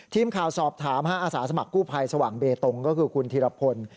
ทีมข่าวสอบถามอาสาสมัครกู้ภัยสว่างเบตงก็คือคุณธีรพล